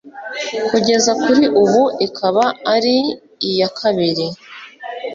kugeza kuri ubu ikaba ari iya kabiri